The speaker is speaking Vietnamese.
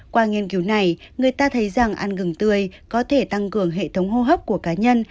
qua nghiên cứu này người ta thấy rằng ăn gừng tươi có thể tăng cường hệ thống hô hấp của cá nhân